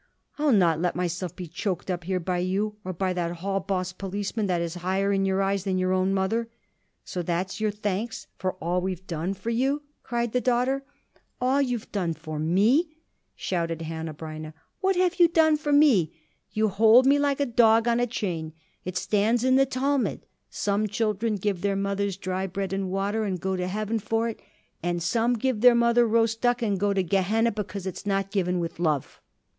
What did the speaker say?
I'll not let myself be choked up here by you or by that hall boss policeman that is higher in your eyes than your own mother." "So that's your thanks for all we've done for you?" cried the daughter. "All you've done for me?" shouted Hanneh Breineh. "What have you done for me? You hold me like a dog on a chain. It stands in the Talmud; some children give their mothers dry bread and water and go to heaven for it, and some give their mother roast duck and go to Gehenna because it's not given with love."